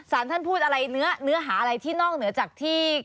สารท่านพูดอะไรเนื้อหาอะไรที่นอกเหนือจากที่